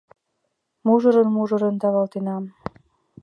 Мужырын-мужырын тавалтена